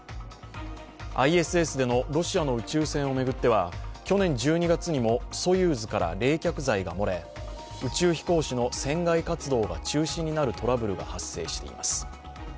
ＩＳＳでのロシアの宇宙船を巡っては去年１２月にも「ソユーズ」から冷却剤が漏れ、宇宙飛行士の船外活動が中止になるトラブルが発生しています。